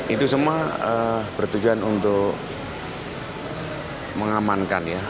itu semua bertujuan untuk mengamankan ya